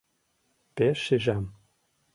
— Пеш шижам.